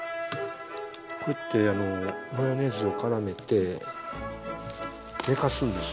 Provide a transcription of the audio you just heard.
こうやってマヨネーズをからめて寝かすんです。